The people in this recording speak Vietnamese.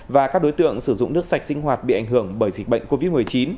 và các đối tượng sử dụng nước sạch sinh hoạt bị ảnh hưởng bởi dịch bệnh covid một mươi chín